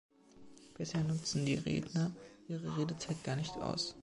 Bisher nutzen die Redner ihre Redezeit gar nicht aus.